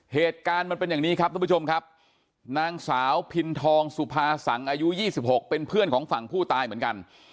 เหตุการณ์มันเป็นอย่างนี้ครับทุกผู้ชมครับนางสาวพินทองสุภาษังอายุ๒๖เป็นเพื่อนของฝั่งผู้ตายเหมือนกัน